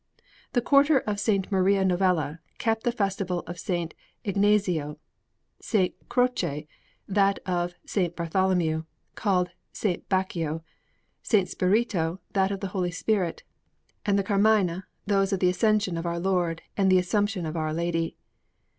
The quarter of S. Maria Novella kept the feast of S. Ignazio; S. Croce, that of S. Bartholomew, called S. Baccio; S. Spirito, that of the Holy Spirit; and the Carmine, those of the Ascension of Our Lord and of the Assumption of Our Lady.